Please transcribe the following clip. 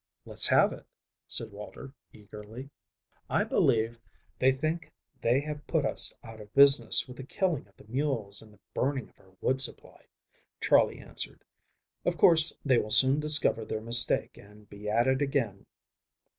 "Let's have it," said Walter eagerly. "I believe they think they have put us out of business with the killing of the mules and the burning of our wood supply," Charley answered. "Of course they will soon discover their mistake and be at it again."